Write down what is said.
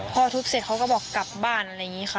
พอทุบเสร็จเขาก็บอกกลับบ้านอะไรอย่างนี้ค่ะ